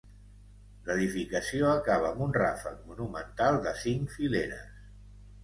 L'edificació acaba amb un ràfec monumental de cinc fileres.